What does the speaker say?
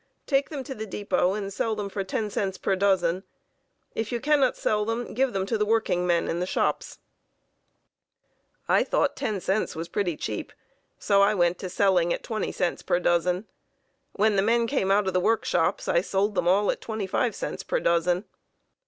Take them to the depot and sell them for 10 cents per dozen. If you cannot sell them, give them to the workingmen in the shops." I thought 10 cents was pretty cheap, so I went to selling at 20 cents per dozen. When the men came out of the work shops I sold them all at 25 cents per dozen.